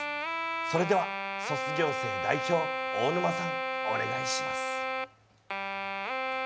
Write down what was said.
それでは、卒業生代表、大沼さん、お願いします。